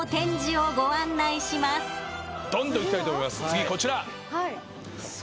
次こちら。